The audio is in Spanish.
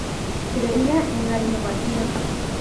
Creía en la innovación.